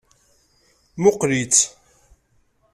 Muqqel-itt.